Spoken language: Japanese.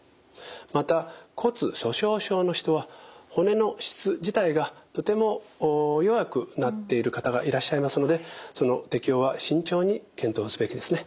また骨粗しょう症の人は骨の質自体がとても弱くなっている方がいらっしゃいますのでその適応は慎重に検討すべきですね。